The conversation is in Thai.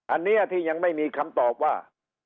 อันนี้ที่ยังไม่มีคำตอบว่า